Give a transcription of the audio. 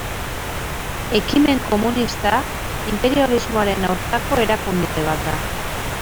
Ekimen Komunista inperialismoaren aurkako erakunde bat da.